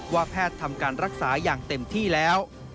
ว่าแพทย์ทำการรักษาอย่างเต็มที่แล้ว